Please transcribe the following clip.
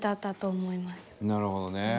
なるほどね。